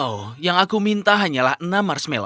oh yang aku minta hanyalah enam marshmall